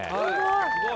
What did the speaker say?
・すごい！